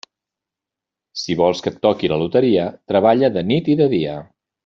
Si vols que et toque la loteria, treballa de nit i de dia.